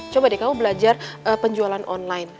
coba deh kamu belajar penjualan online